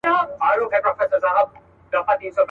ټول دردونه یې په حکم دوا کېږي.